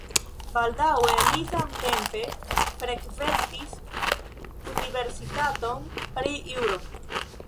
Baldaŭe li samtempe frekventis universitaton pri juro.